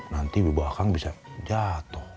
nanti bibawah aku bisa jatuh